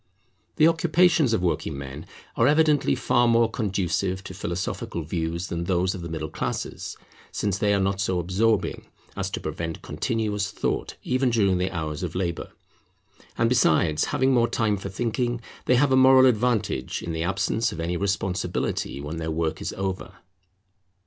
The occupations of working men are evidently far more conducive to philosophical views than those of the middle classes; since they are not so absorbing, as to prevent continuous thought, even during the hours of labour. And besides having more time for thinking, they have a moral advantage in the absence of any responsibility when their work is over.